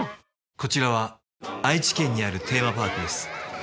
こちらは愛知県にあるテーマパークです。